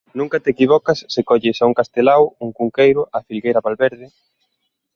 Nunca te equivocas se colles a un Castelao, un Cunqueiro, a Filgueira Valverde...